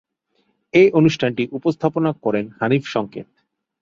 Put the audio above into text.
এই অনুষ্ঠানটি উপস্থাপনা করেন হানিফ সংকেত।